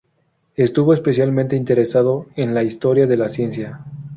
Estuvo especialmente interesado en la historia de la ciencia.